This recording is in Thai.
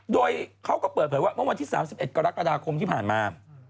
โดยเขาก็เปิดเผยว่าเมื่อวันที่๓๑กรกฎาคมที่ผ่านมา